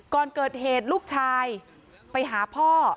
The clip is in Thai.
ก่อนเกิดเหตุลูกชายไปหาพ่อ